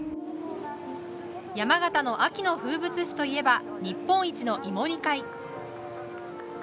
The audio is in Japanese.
山形の秋の風物詩といえば日本一の芋煮会。